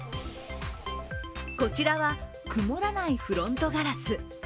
こちらは、曇らないフロントガラス。